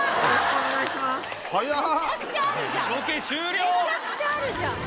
めちゃくちゃあるじゃん。